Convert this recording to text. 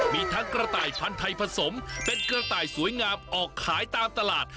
มีทั้งกระต่ายพันธุ์ไทยผสมเป็นกระต่ายสวยงามออกขายตามตลาด